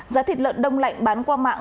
giá thịt lợn đông lạnh bán qua mạng